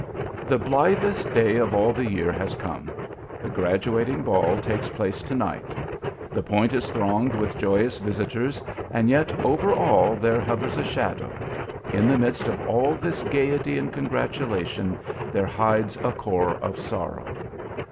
The blithest day of all the year has come. The graduating ball takes place to night. The Point is thronged with joyous visitors, and yet over all there hovers a shadow. In the midst of all this gayety and congratulation there hides a core of sorrow.